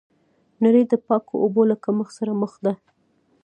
نړۍ د پاکو اوبو له کمښت سره مخ ده.